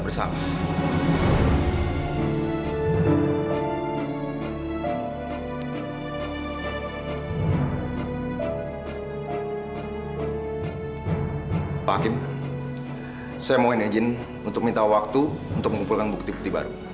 pak hakim saya mohon izin untuk minta waktu untuk mengumpulkan bukti bukti baru